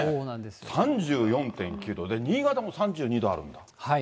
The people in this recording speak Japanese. ３４．９度、それで新潟も３２度あるんだ。